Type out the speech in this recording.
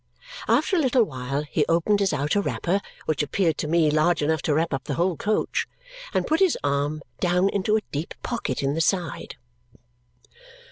After a little while he opened his outer wrapper, which appeared to me large enough to wrap up the whole coach, and put his arm down into a deep pocket in the side.